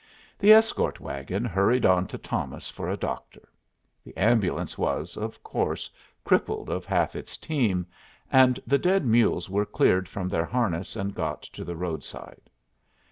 The escort wagon hurried on to Thomas for a doctor. The ambulance was, of course, crippled of half its team, and the dead mules were cleared from their harness and got to the road side.